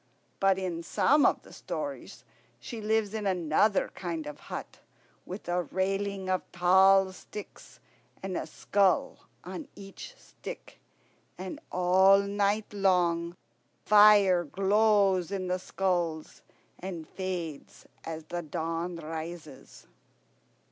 But in some of the stories she lives in another kind of hut, with a railing of tall sticks, and a skull on each stick. And all night long fire glows in the skulls and fades as the dawn rises."